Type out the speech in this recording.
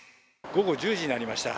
午後１０時になりました。